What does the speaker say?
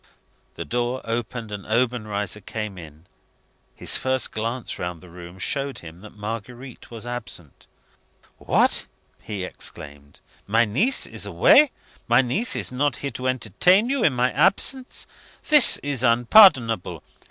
The door opened, and Obenreizer came in. His first glance round the room showed him that Marguerite was absent. "What!" he exclaimed, "my niece is away? My niece is not here to entertain you in my absence? This is unpardonable.